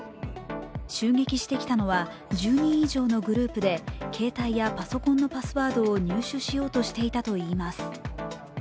襲撃してきたのは１０人以上のグループで携帯やパソコンのパスワードを入手しようとしていたといいます。